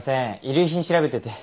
遺留品調べてて。